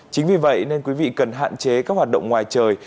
chính vì vậy nên quý vị cần hạn chế các hoạt động ngoài trời